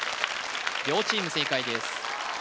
両チーム正解です